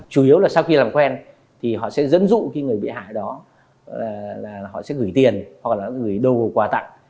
chủ yếu là sau khi làm quen thì họ sẽ dẫn dụ cái người bị hại đó là họ sẽ gửi tiền hoặc là gửi đồ quà tặng